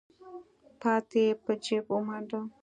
پاتې يې په جېب ومنډه.